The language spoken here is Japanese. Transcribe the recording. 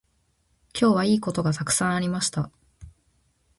今日はいいことがたくさんありました。